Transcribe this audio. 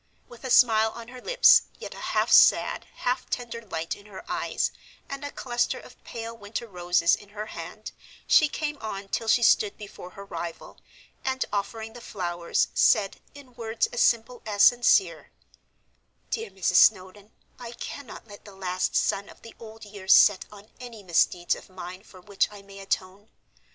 With a smile on her lips, yet a half sad, half tender light in her eyes, and a cluster of pale winter roses in her hand, she came on till she stood before her rival and, offering the flowers, said, in words as simple as sincere, "Dear Mrs. Snowdon, I cannot let the last sun of the old year set on any misdeeds of mine for which I may atone.